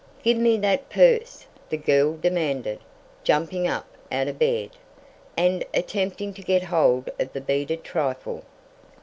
"Give me that purse," the girl demanded, jumping up out of bed, and attempting to get hold of the beaded trifle.